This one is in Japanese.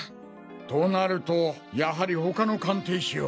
となるとやはり他の鑑定士を。